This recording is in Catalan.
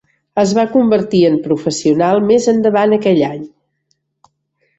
Es va convertir en professional més endavant aquell any.